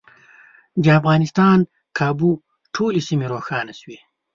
د افغانستان کابو ټولې سیمې روښانه شوې.